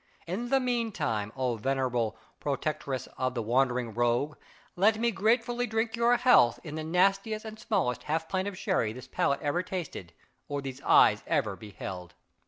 In the meantime, O venerable protectress of the wandering Rogue! let me gratefully drink your health in the nastiest and smallest half pint of sherry this palate ever tasted, or these eyes ever beheld!